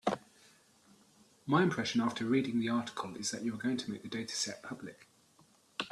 My impression after reading the article is that you are going to make the dataset public.